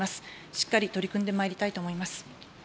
しっかり取り組んでまいりたいと思います。